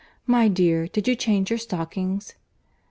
My dear, did you change your stockings?"